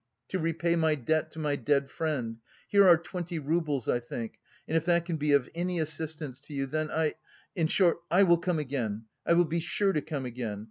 to repay my debt to my dead friend. Here are twenty roubles, I think and if that can be of any assistance to you, then... I... in short, I will come again, I will be sure to come again...